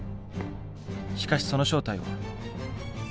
しかしその正体は。